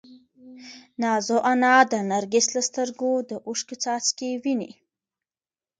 نازو انا د نرګس له سترګو د اوښکو څاڅکي ویني.